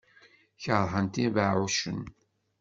Keṛhent ibeɛɛucen.